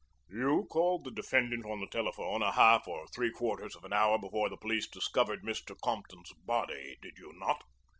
"You called the defendant on the telephone a half or three quarters of an hour before the police discovered Mr. Compton's body, did you not?"